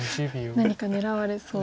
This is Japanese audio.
何か狙われそうと。